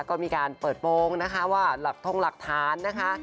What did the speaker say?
ก็มีการเปิดโปรงนะคะว่าหลักทงหลักฐานนะคะ